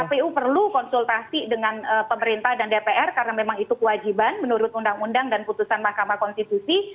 kpu perlu konsultasi dengan pemerintah dan dpr karena memang itu kewajiban menurut undang undang dan putusan mahkamah konstitusi